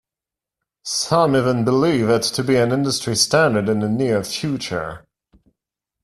Some even believe it to be an industry standard in the near future.